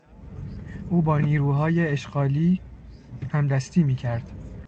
او با نیروهای اشغالی همدستی میکرد.